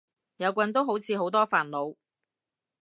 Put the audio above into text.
有棍都好似好多煩惱